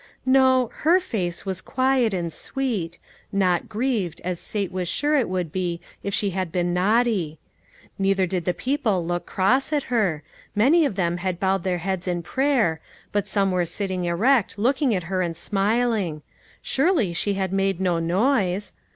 No, her face was quiet and sweet; not grieved, as Sate was sure it would be, if she had been naughty. Neither did the people look cross at her ; many of them had bowed their heads in prayer, but some were sit ting erect, looking at her and smiling ; surely she had made no noise.